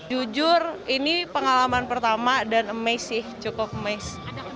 jujur ini pengalaman pertama dan emes sih cukup emes